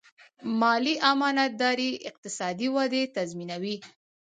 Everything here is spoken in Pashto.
مالي امانتداري اقتصادي ودې تضمینوي.